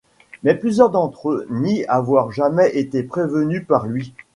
Mais plusieurs d'entre eux nient avoir jamais été prévenus par lui.